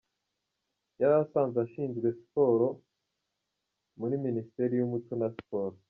Yari asanzwe ashinzwe siporo muri Minisiteri y’Umuco na Siporo.